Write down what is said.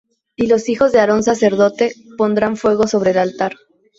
Y los hijos de Aarón sacerdote pondrán fuego sobre el altar.